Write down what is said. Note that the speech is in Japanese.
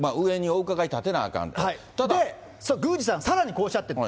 それ、宮司さん、さらにこうおっしゃってる。